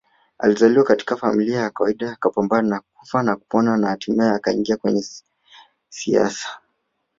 Alizaliwa katika familia ya kawaida akapambana kufa na kupona na hatimaye akaingia kwenye siasa